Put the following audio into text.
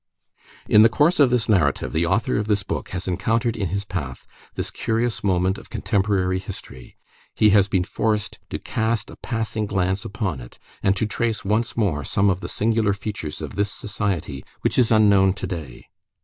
In the course of this narrative, the author of this book has encountered in his path this curious moment of contemporary history; he has been forced to cast a passing glance upon it, and to trace once more some of the singular features of this society which is unknown to day.